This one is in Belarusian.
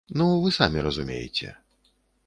Ну, вы самі разумееце.